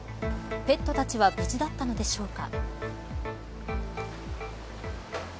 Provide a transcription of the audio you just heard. ペットたちは無事だったのでしょうか。